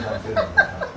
アハハハハ。